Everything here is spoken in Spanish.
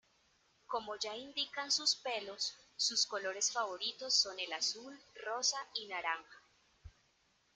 Como ya indican sus pelos, sus colores favoritos son el azul, rosa y naranja.